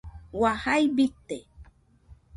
Ua, jai bite